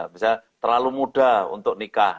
bisa terlalu mudah untuk nikah